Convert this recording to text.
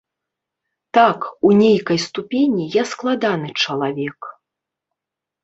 Так, у нейкай ступені я складаны чалавек.